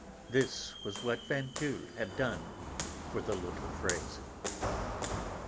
This was what Vinteuil had done for the little phrase.